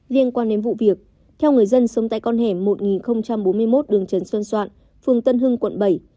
liên quan đến vụ việc theo người dân sống tại con hẻm một nghìn bốn mươi một đường trần xuân soạn phường tân hưng quận bảy